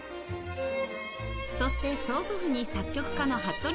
そして曽祖父に作曲家の服部良一さん